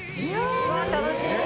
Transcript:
うわっ楽しみ。